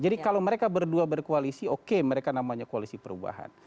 jadi kalau mereka berdua berkoalisi oke mereka namanya koalisi perubahan